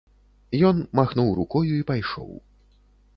Ён махнуў рукою і пайшоў.